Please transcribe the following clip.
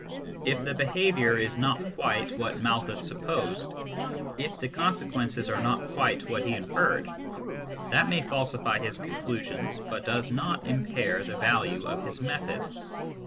If the behaviour is not quite what Malthus supposed, if the consequences are not quite what he inferred, that may falsify his conclusions, but does not impair the value of his method.